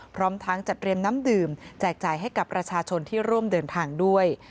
พร้อมทั้งจัดเตรียมน้ำดื่มแจกจ่ายให้กับประชาชนที่ร่วมเดินทางด้วย